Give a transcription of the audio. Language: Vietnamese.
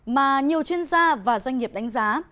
mà nhiều chuyên gia và doanh nghiệp đánh giá